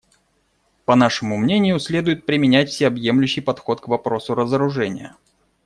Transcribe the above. По нашему мнению, следует применять всеобъемлющий подход к вопросу разоружения.